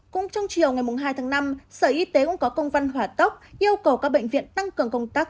cũng trong chiều ngày hai tháng năm sở y tế cũng có công văn hỏa tốc yêu cầu các bệnh viện tăng cường công tác